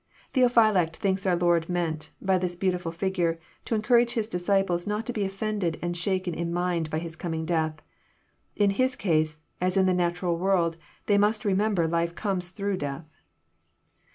Theophylact thinks our Lord meant, by this beautiful figure, to encourage His disciples not to be offlended and shaken in mind by His coming death. In His case, as in the natural world, they must remember life comes through death.